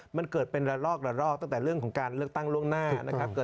มันเกิดเป็นละลอกระรอกตั้งแต่เรื่องของการเลือกตั้งล่วงหน้านะครับ